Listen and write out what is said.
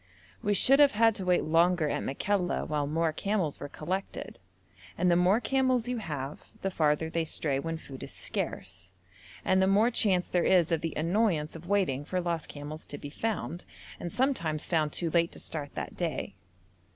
We should have had to wait longer at Makalla while more camels were collected, and the more camels you have the farther they stray when food is scarce, and the more chance there is of the annoyance of waiting for lost camels to be found, and sometimes found too late to start that day.